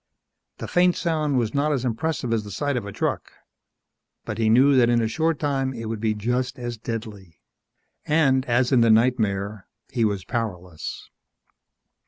The faint sound was not as impressive as the sight of a truck. But he knew that in a short time it would be just as deadly. And, as in the nightmare, he was powerless